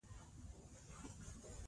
هرات د مهمو تجارتي مرکزونو لپاره شهرت لري.